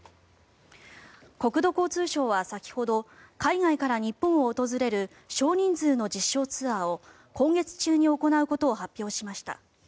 国土交通省は先ほど海外から日本を訪れる少人数の実証ツアーを今月中に行うことを発表しました。